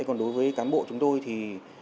còn đối với cán bộ chúng tôi